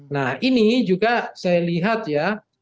nah ini juga saya lihat ya